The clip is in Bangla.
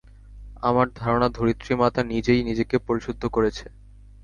আমার ধারণা, ধরিত্রিমাতা নিজেই নিজেকে পরিশুদ্ধ করছে।